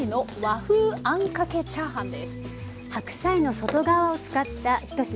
白菜の外側を使った一品。